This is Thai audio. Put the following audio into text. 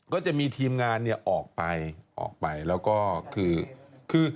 ก็จะมีทีมงานเนี่ยออกไปแล้วก็คือ